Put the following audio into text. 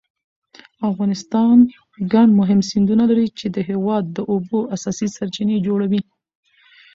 افغانستان ګڼ مهم سیندونه لري چې د هېواد د اوبو اساسي سرچینې جوړوي.